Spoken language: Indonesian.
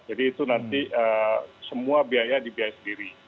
itu nanti semua biaya dibiayai sendiri